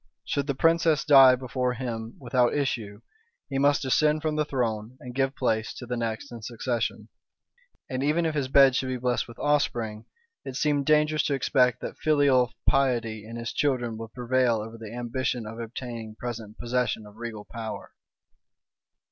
Should the princess die before him without issue, he must descend from the throne, and give place to the next in succession; and even if his bed should be blest with offspring, it seemed dangerous to expect that filial piety in his children would prevail over the ambition of obtaining present possession of regal power.